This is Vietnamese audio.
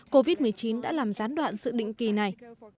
covid một mươi chín đã làm gián đoạn sự định kỳ này